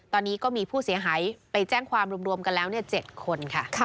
ตอนนี้ก็มีผู้เสียหายไปแจ้งความรวมกันแล้ว๗คนค่ะ